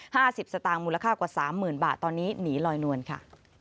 สิบสตางค์มูลค่ากว่าสามหมื่นบาทตอนนี้หนีลอยนวลค่ะ